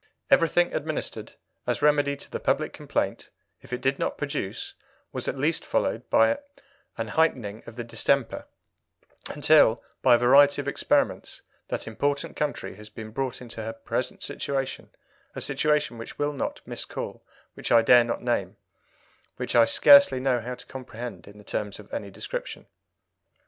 Everything administered as remedy to the public complaint, if it did not produce, was at least followed by an heightening of the distemper, until, by a variety of experiments, that important country has been brought into her present situation a situation which I will not miscall, which I dare not name, which I scarcely know how to comprehend in the terms of any description."